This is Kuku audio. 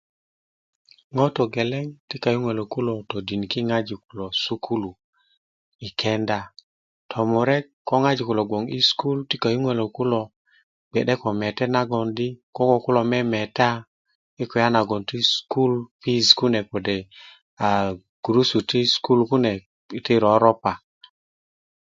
ŋo togeleŋ ti kayuŋölök kulo ti todiniki ŋojik kulo i sukulu yi kenda tomurek ko ŋojik kulo gboŋ i sukulu ti kayuŋölök kulo ti gbe'de ko metet nagoŋ di ti ko kulo meemeta i kulya naŋ ti sukulu kode' yi kulya naŋ di gurusu ti sukulu kune ti roropa